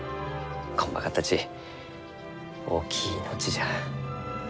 こんまかったち大きい命じゃ。